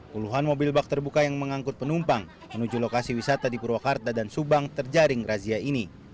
puluhan mobil bak terbuka yang mengangkut penumpang menuju lokasi wisata di purwakarta dan subang terjaring razia ini